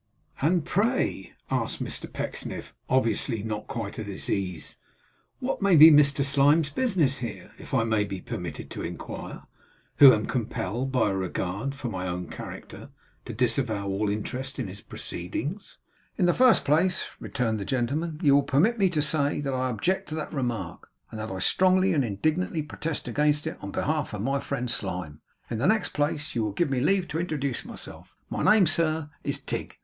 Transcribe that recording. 'And pray,' asked Mr Pecksniff, obviously not quite at his ease, 'what may be Mr Slyme's business here, if I may be permitted to inquire, who am compelled by a regard for my own character to disavow all interest in his proceedings?' 'In the first place,' returned the gentleman, 'you will permit me to say, that I object to that remark, and that I strongly and indignantly protest against it on behalf of my friend Slyme. In the next place, you will give me leave to introduce myself. My name, sir, is Tigg.